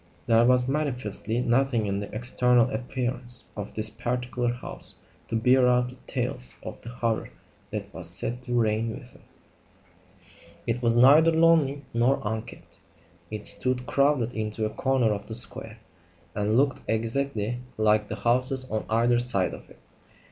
There was manifestly nothing in the external appearance of this particular house to bear out the tales of the horror that was said to reign within. It was neither lonely nor unkempt. It stood, crowded into a corner of the square, and looked exactly like the houses on either side of it.